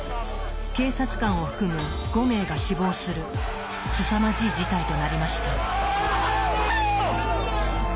警察官を含む５名が死亡するすさまじい事態となりました。